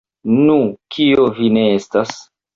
Nu, kio vi ne estas?